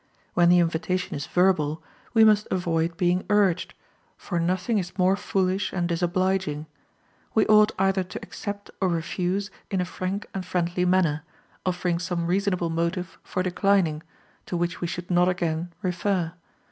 When the invitation is verbal, we must avoid being urged; for nothing is more foolish and disobliging; we ought either to accept or refuse in a frank and friendly manner, offering some reasonable motive for declining, to which we should not again refer.